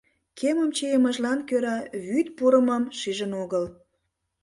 Кемым чийымыжлан кӧра вӱд пурымым шижын огыл.